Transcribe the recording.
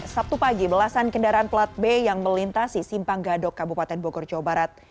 sabtu pagi belasan kendaraan plat b yang melintasi simpang gadok kabupaten bogor jawa barat